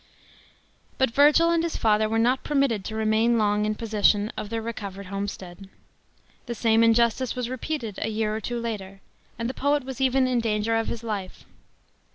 But Virgil and his father were not permitted to remain long in po. sessiou of their recovered homestead. The same injustice was repeated a year or two later, and the poet was even in danger of his life.